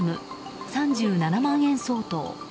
３７万円相当。